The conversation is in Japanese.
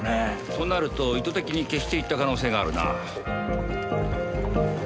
となると意図的に消していった可能性があるな。